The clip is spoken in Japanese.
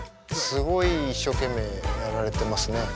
すごい一生懸命やられてますね。